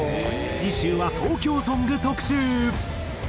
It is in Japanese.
次週は「東京」ソング特集。